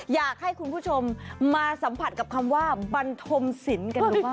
อยากให้คุณผู้ชมมาสัมผัสกับคำว่าบันทมศิลป์กันบ้าง